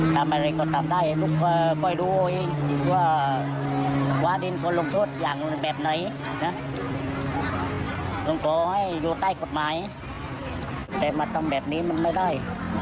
ต้องกลัวให้อยู่ใต้กฎหมายแต่มาทำแบบนี้มันไม่ได้